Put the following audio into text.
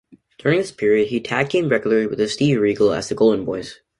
During this period, he tag teamed regularly with Steve Regal as The Golden Boys.